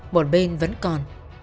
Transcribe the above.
một bên vẫn còn